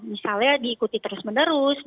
misalnya diikuti terus menerus